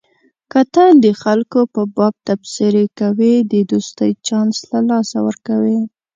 که ته د خلکو په باب تبصرې کوې د دوستۍ چانس له لاسه ورکوې.